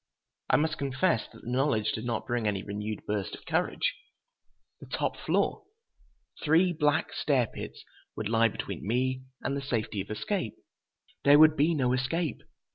I must confess that the knowledge did not bring any renewed burst of courage! The top floor! Three black stair pits would lie between me and the safety of escape. There would be no escape!